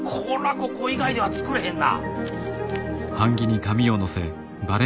ここ以外では作れへんな。